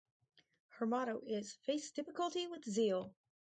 Her motto is "Face Difficulty With Zeal".